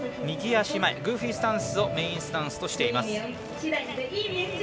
右足前グーフィースタンスをメインスタンスとしています。